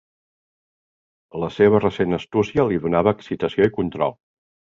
La seva recent astúcia li donava excitació i control.